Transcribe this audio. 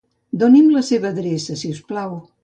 Doni'm la seva adreça si us plau.